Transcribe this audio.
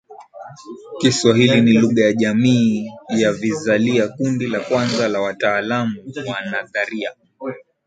Kiswahili ni Lugha ya Jamii ya Vizalia Kundi la kwanza la wataalamu wa nadharia